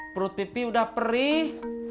perut pipi udah perih